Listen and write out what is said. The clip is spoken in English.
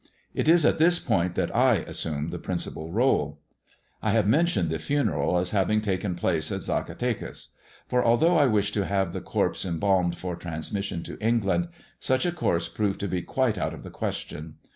It is at this point that I assume the principal rdle, I have mentioned the funeral as having taken place at Zacatecas 3 for although I wished to have the corpse em balmed for transmission to England, such a course proved to be quite out of the question.